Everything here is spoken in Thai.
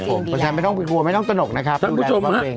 เป็นแสดงไม่ต้องกลัวไม่ต้องตนกนะครับดูแลตัวตัวเอง